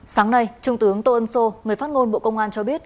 sáng nay trung tướng tô ân sô người phát ngôn bộ công an cho biết